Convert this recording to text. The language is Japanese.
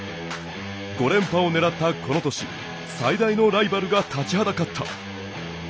５連覇を狙ったこの年最大のライバルが立ちはだかった。